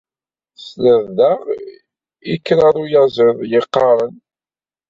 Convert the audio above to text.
Tesliḍ daɣ i kra uyaziḍ yeɣɣaren?